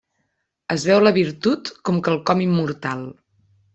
Es veu la virtut com quelcom immortal.